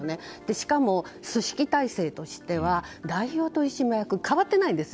しかも組織体制としては代表取締役は変わっていないんです。